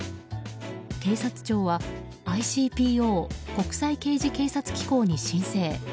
警視庁はＩＣＰＯ・国際刑事警察機構に申請。